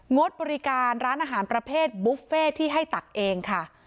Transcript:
ดบริการร้านอาหารประเภทบุฟเฟ่ที่ให้ตักเองค่ะ